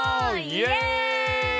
イエイ！